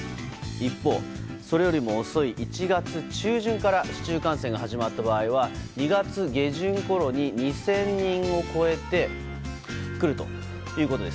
一方、それよりも遅い１月中旬から市中感染が始まった場合は２月下旬ごろに２０００人を超えてくるということです。